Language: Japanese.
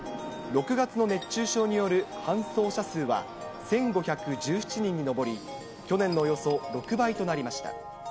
６月の熱中症による搬送者数は１５１７人に上り、去年のおよそ６倍となりました。